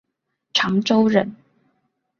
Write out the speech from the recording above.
长洲人。